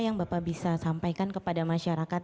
yang bapak bisa sampaikan kepada masyarakat